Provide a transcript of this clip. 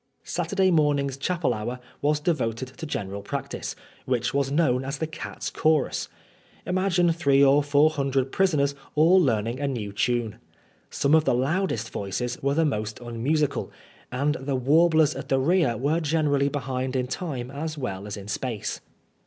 Saturday morning's chapel hour was devoted to gene ral practice, which was known as the cat's chorus Imagine three or four hundred prisoners all learning a new tune 1 Some of the loudest voices were the most un 150 PRISONEB FOB BLASPHEBCT. musical, and the warblers at the rear were generally behind in time as well as in space.